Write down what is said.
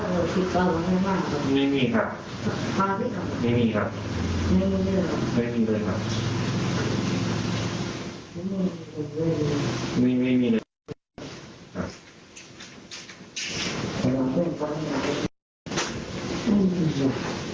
ไม่มีไม่มีไม่มีเลยไม่มีไม่มีไม่มีไม่มี